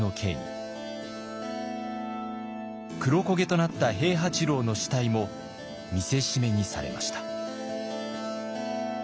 黒焦げとなった平八郎の死体も見せしめにされました。